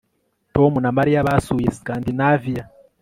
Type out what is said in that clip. Tom na Mariya basuye Scandinaviya